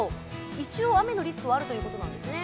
一応、雨のリスクはあるということなんですね？